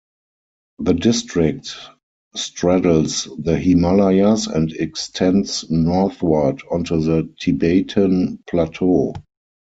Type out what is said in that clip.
The district straddles the Himalayas and extends northward onto the Tibetan plateau.